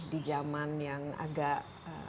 di zaman yang agak